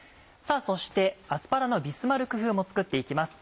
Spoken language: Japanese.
そしてアスパラのビスマルク風も作って行きます。